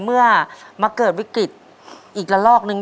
เมื่อมาเกิดวิกฤตอีกละลอกนึง